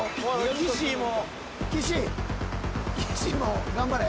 岸も頑張れ。